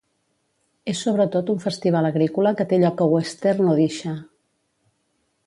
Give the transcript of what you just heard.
És sobretot un festival agrícola que té lloc a Western Odisha.